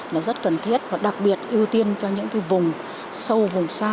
là rất cần thiết và đặc biệt ưu tiên cho những cái vùng sâu vùng xa